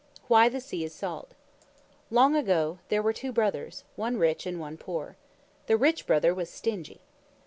WHY THE SEA IS SALT Long ago, there were two brothers, one rich and one poor. The Rich Brother was stingy.